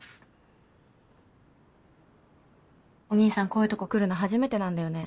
こういうとこ来るの初めてなんだよね？